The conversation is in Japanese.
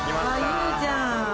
いいじゃん。